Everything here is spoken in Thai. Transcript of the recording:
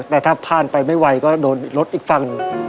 แต่ถ้าผ่านไม่ไวก็โดดรถอีกฝั่ง